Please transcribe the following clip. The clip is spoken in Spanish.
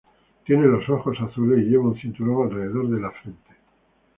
Tiene los ojos azules, y lleva un cinturón alrededor de la frente.